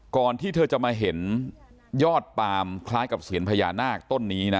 ก่อนที่เธอจะมาเห็นยอดปามคล้ายกับเซียนพญานาคต้นนี้นะ